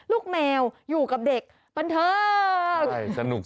ลูกแมวอยู่กับเด็กบันเทิง